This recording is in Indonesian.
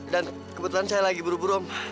dan kebetulan saya lagi buru buru om